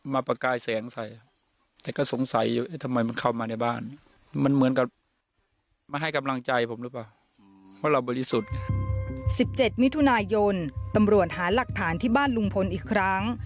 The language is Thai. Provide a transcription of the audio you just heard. ๑๗มิถุนายนตำรวจหาหลักฐานที่บ้านลุงพลอีกครั้ง